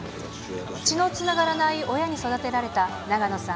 血のつながらない親に育てられた、永野さん